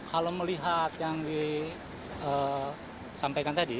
kalau melihat yang disampaikan tadi